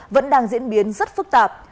vẫn đang diễn biến rất phức tạp